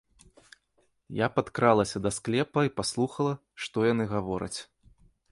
Я падкралася да склепа і падслухала, што яны гавораць.